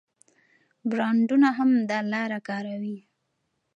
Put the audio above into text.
برانډونه هم دا لاره کاروي.